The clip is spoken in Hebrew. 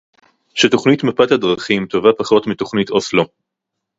שתוכנית מפת הדרכים טובה פחות מתוכנית אוסלו